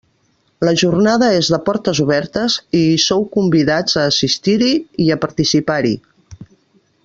La jornada és de portes obertes i hi sou convidats a assistir-hi i a participar-hi.